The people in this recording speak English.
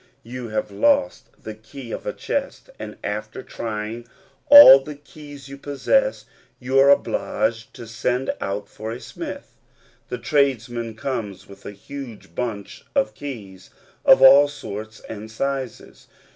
You have lost the key of a chest, and after trying all the keys you possess, you are obliged to send out for a smith. The tradesman comes with a huge bunch of keys of all sorts and sizes.